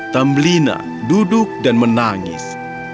tambelina duduk dan menangis